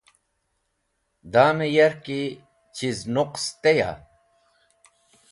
Damẽ yarki chiz nuqs teya?